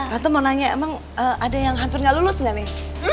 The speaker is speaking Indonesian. ratu mau nanya emang ada yang hampir gak lulus nggak nih